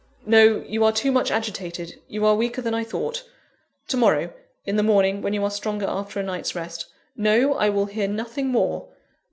"No: you are too much agitated; you are weaker than I thought. To morrow, in the morning, when you are stronger after a night's rest. No! I will hear nothing more.